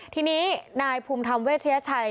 ทีนี้นายภูมิธรรมเวชยชัย